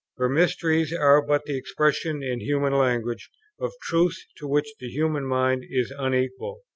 Her mysteries are but the expressions in human language of truths to which the human mind is unequal.